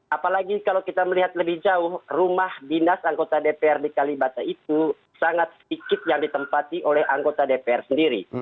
apalagi kalau kita melihat lebih jauh rumah dinas anggota dprd kalibata itu sangat sedikit yang ditempati oleh anggota dpr sendiri